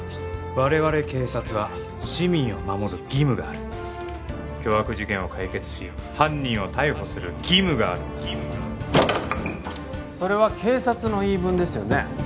我々警察は市民を守る義務がある凶悪事件を解決し犯人を逮捕する義務があるんだそれは警察の言い分ですよね